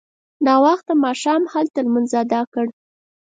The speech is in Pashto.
ناوخته ماښام هلته لمونځ اداء کړ.